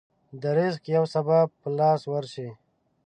د رزق يو سبب په لاس ورشي.